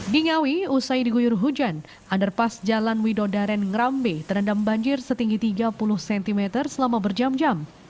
di ngawi usai diguyur hujan underpass jalan widodaren ngerambe terendam banjir setinggi tiga puluh cm selama berjam jam